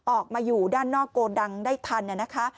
ออกมาอยู่ด้านนอกโกดังได้ทันนะคะ